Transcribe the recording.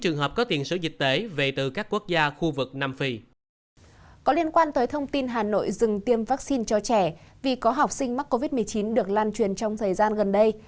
khoan tới thông tin hà nội dừng tiêm vaccine cho trẻ vì có học sinh mắc covid một mươi chín được lan truyền trong thời gian gần đây